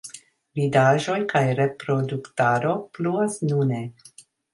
Vidaĵoj kaj reproduktado pluas nune.